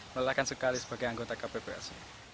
melelahkan sekali sebagai anggota kpps